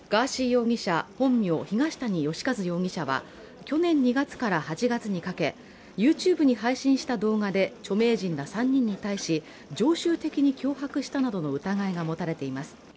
容疑者本名・東谷義和容疑者は去年２月から８月にかけＹｏｕＴｕｂｅに配信した動画で、著名人ら３人に対し、常習的に脅迫したなどの疑いが持たれています。